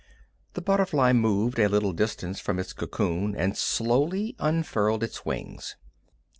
The butterfly moved a little distance from its cocoon and slowly unfurled its wings.